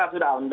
sudah sudah pak